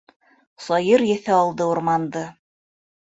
Сайыр еҫе алды урманды.